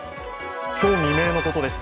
今日未明のことです。